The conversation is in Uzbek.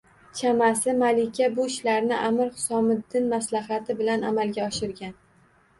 Chamasi, malika bu ishlarni amir Husomiddin maslahati bilan amalga oshirgan